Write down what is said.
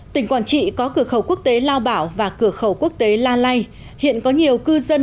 tỉnh quảng trị có cửa khẩu quốc tế lao bảo và cửa khẩu quốc tế la lai hiện có nhiều cư dân